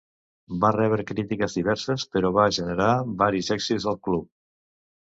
Va rebre crítiques diverses, però va generar varis èxits del club.